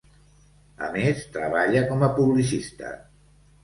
A més, treballa com a publicista.